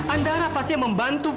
andara pasti membantu fadil